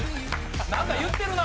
「なんか言ってるな」